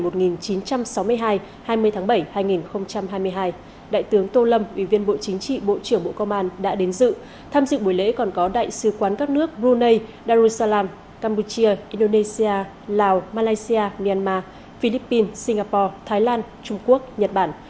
năm hai nghìn hai mươi tháng bảy hai nghìn hai mươi hai đại tướng tô lâm ủy viên bộ chính trị bộ trưởng bộ công an đã đến dự tham dự buổi lễ còn có đại sứ quán các nước brunei darussalam campuchia indonesia lào malaysia myanmar philippines singapore thái lan trung quốc nhật bản